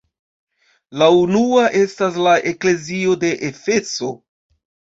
La unua estas la eklezio de Efeso.